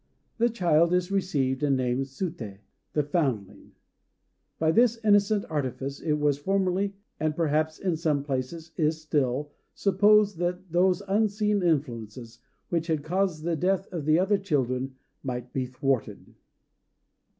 The child is received, and named "Suté," the foundling. By this innocent artifice, it was formerly (and perhaps in some places is still) supposed that those unseen influences, which had caused the death of the other children, might be thwarted.